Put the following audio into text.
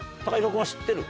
君は知ってる？